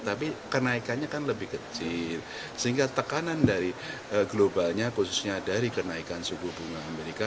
tapi kenaikannya kan lebih kecil sehingga tekanan dari globalnya khususnya dari kenaikan suku bunga amerika